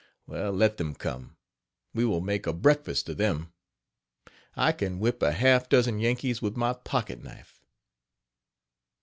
Well, let them come; we will make a breakfast of them. I can whip a half dozen Yankees with my pocket knife.